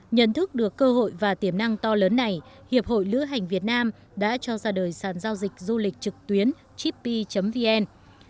nhận thức được cơ hội và tiềm năng to lớn này hiệp hội lữ hành việt nam đã cho ra đời sản giao dịch du lịch trực tuyến chip vn